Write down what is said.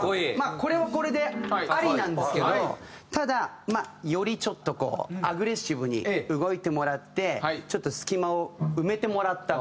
これはこれでありなんですけどただまあよりちょっとこうアグレッシブに動いてもらってちょっと隙間を埋めてもらったバージョン。